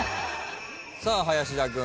さあ林田君。